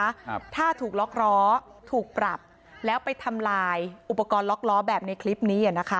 ครับถ้าถูกล็อกล้อถูกปรับแล้วไปทำลายอุปกรณ์ล็อกล้อแบบในคลิปนี้อ่ะนะคะ